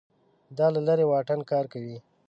دا له لرې واټن کار کوي